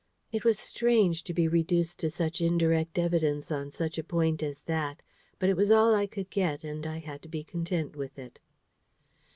It was strange to be reduced to such indirect evidence on such a point as that; but it was all I could get, and I had to be content with it.